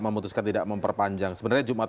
memutuskan tidak memperpanjang sebenarnya jumat